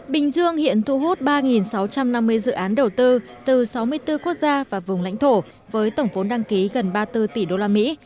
bình dương hiện thu hút ba sáu trăm năm mươi dự án đầu tư từ sáu mươi bốn quốc gia và vùng lãnh thổ với tổng vốn đăng ký gần ba mươi bốn tỷ đô la mỹ